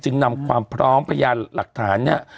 จึงนำความพร้อมพญาณหลักฐานนี้